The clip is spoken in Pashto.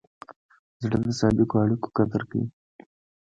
زړه د صادقو اړیکو قدر کوي.